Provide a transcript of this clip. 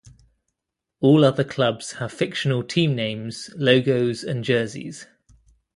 All other clubs have fictional team names, logos and jerseys.